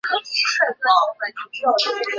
给身边的人带来不幸